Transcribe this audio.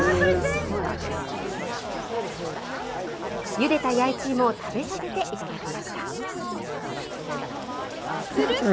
ゆでた弥一芋を食べさせていただきました。